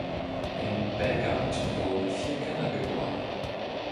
In Belgard wurden vier Kinder geboren.